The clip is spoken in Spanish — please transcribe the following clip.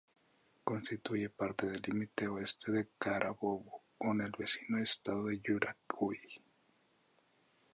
Constituye parte del límite oeste de Carabobo con el vecino estado de Yaracuy.